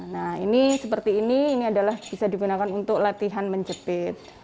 nah ini seperti ini ini adalah bisa digunakan untuk latihan menjepit